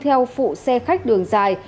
theo phụ xe khách đường dài